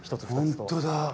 本当だ。